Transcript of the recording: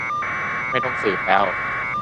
ไม่ต้องสืบแล้ว